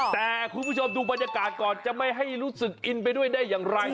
แต่คุณผู้ชมดูบรรยากาศก่อนจะไม่ให้รู้สึกอินไปด้วยได้อย่างไร